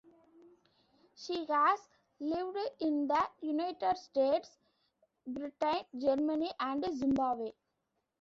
She has lived in the United States, Britain, Germany, and Zimbabwe.